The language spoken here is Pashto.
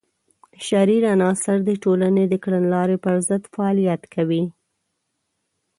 شریر عناصر د ټولنې د کړنلارې پر ضد فعالیت کوي.